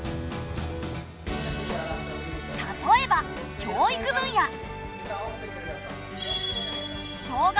例えば教育分野。